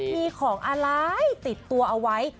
มีของอะไรติดตัวเอาไว้